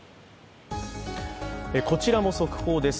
こちらも速報です。